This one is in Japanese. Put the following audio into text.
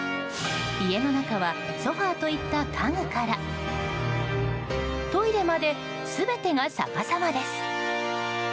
家の中はソファといった家具からトイレまで全てが逆さまです。